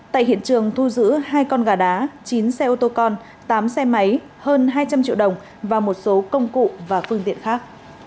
tại hiện trường thu giữ hai con gà đá chín xe ô tô con tám xe máy hơn hai trăm linh triệu đồng và một số công cụ và phương tiện khác